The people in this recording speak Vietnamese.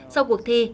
sau cuộc thi